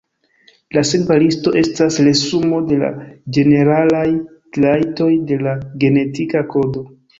La sekva listo estas resumo de la ĝeneralaj trajtoj de la genetika kodo.